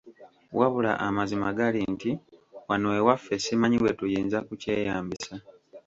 Wabula amazima gali nti wano ewaffe simanyi bwe tuyinza kukyeyambisa.